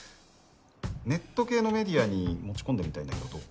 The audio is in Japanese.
ネット系のメディアに持ち込んでみたいんだけどどう？